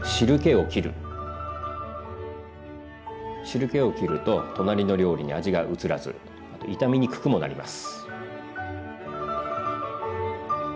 汁けをきると隣の料理に味がうつらずあと傷みにくくもなります。